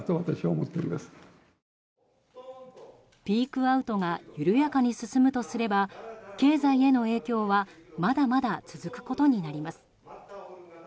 ピークアウトが緩やかに進むとすれば経済への影響はまだまだ続くことになります。